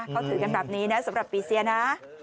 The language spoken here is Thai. เขาถือกันแบบนี้นะสำหรับปีเซียนะ